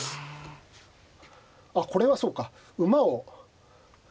あっこれはそうか馬を。